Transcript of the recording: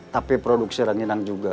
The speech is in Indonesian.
tapi produksi ranginan juga